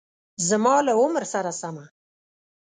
زما له عمر سره سمه